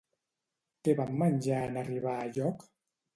Què van menjar en arribar a lloc?